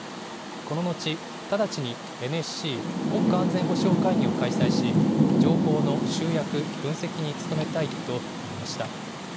この後、直ちにＮＳＣ・国家安全保障会議を開催し情報の集約、分析に努めたいと述べました。